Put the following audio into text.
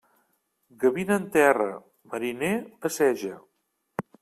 Gavina en terra, mariner, passeja.